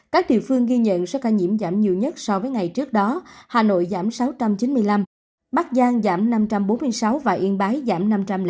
các địa phương ghi nhận số ca nhiễm giảm nhiều nhất so với ngày trước đó hà nội giảm sáu trăm chín mươi năm bắc giang giảm năm trăm bốn mươi sáu và yên bái giảm năm trăm linh năm